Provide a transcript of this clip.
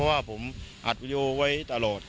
แล้วผมอาจวีดีโอไว้ตลอด